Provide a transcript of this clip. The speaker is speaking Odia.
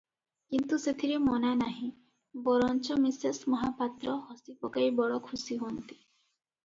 କିନ୍ତୁ ସେଥିରେ ମନା ନାହିଁ, ବରଞ୍ଚ ମିସେସ୍ ମହାପାତ୍ର ହସି ପକାଇ ବଡ଼ ଖୁସି ହୁଅନ୍ତି |